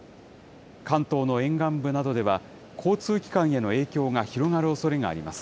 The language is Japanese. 関東の沿岸部などでは交通機関への影響が広がるおそれがあります。